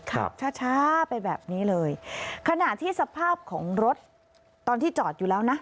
ขับช้าช้าไปแบบนี้เลยขณะที่สภาพของรถตอนที่จอดอยู่แล้วนะ